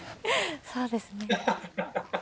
そうですね。